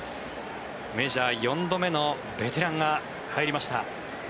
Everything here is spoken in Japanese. メジャー４度目のベテランが入りました。